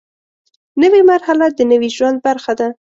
نوې مرحله د نوي ژوند برخه ده